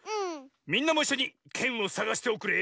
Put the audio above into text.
みんなもいっしょにけんをさがしておくれ。